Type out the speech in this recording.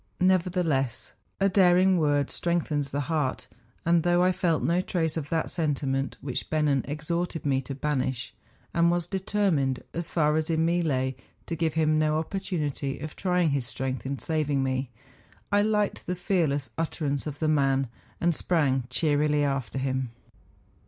Nevertheless a daring word o strengthens the heart, and though I felt no trace of that sentiment which Bennen exhorted me to banish, and was determined, as far as in me lay, to give him no opportunity of trying his strength in saving me, I liked the fearless utterance of the man, and sprang cheerily after him.